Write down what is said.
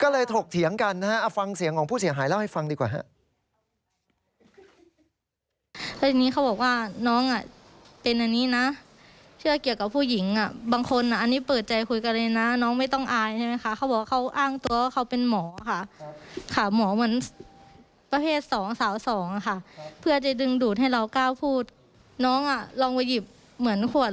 และหมอคนที่อ้างว่าเป็นหมอ